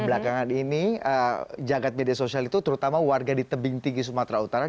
belakangan ini jagad media sosial itu terutama warga di tebing tinggi sumatera utara